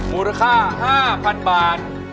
ม๕๐๐๐บาท